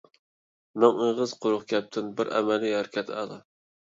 مىڭ ئېغىز قۇرۇق گەپتىن بىر ئەمەلىي ھەرىكەت ئەلا.